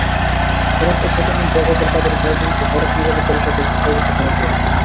সড়ক ও সেতুমন্ত্রী ওবায়দুল কাদেরের সভাপতিত্বে সড়ক নিরাপত্তাবিষয়ক একটি সর্বোচ্চ কমিটি আছে।